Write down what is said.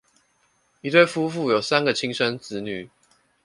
一對夫婦有三個親生子女